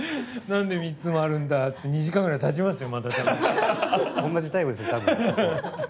なんで３つもあるんだって２時間くらいたちますよ。